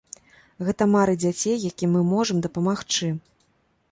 Гэта мары дзяцей, якім мы можам дапамагчы.